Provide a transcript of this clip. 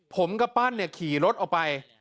ผมกับปั้นเนี่ยขี่รถออกไป